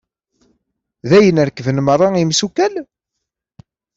Dayen rekben merra imessukal?